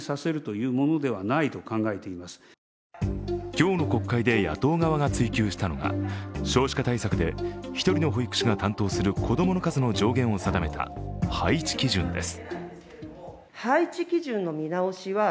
今日の国会で野党側が追及したのが少子化対策で１人の保育士が担当する子供の数の上限を定めた配置基準です。